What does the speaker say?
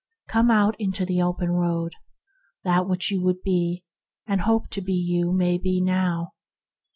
Come out into the open road. All that you would be and hope to be, you may be now.